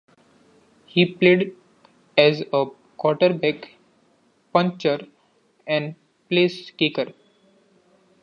He played as a quarterback, punter and placekicker.